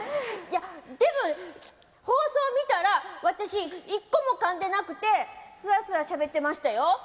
いやでも放送見たら私一個もかんでなくてスラスラしゃべってましたよ。